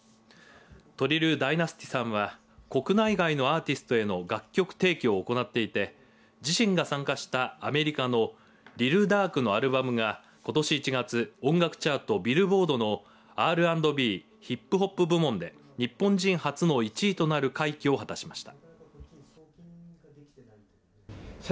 ＴＲＩＬＬＤＹＮＡＳＴＹさんは国内外のアーティストへの楽曲提供を行っていて自身が参加したアメリカのリル・ダークのアルバムがことし１月音楽チャート、ビルボードのＲ＆ＢＨＩＰＨＯＰ部門で日本人初の１位となる快挙を果たしました。